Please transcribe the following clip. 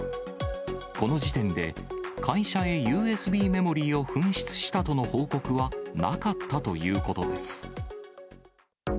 この時点で、会社へＵＳＢメモリーを紛失したとの報告はなかったということです。